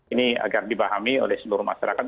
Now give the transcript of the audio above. ini agar dibahami oleh seluruh masyarakat